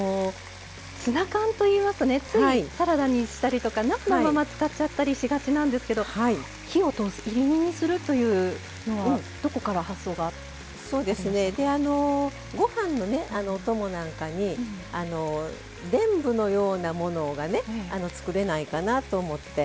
ツナ缶といいますとねついサラダにしたりとか生のまま使っちゃったりしがちなんですけど火を通すいり煮にするというのはどこから発想が？ご飯のねお供なんかにあのでんぶのようなものがね作れないかなと思って。